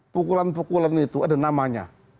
pukulan pukulan itu ada namanya